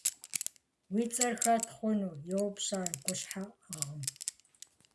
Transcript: – Уи цӀэр хэт хъуну? – йоупщӀ ар гущхьэӀыгъым.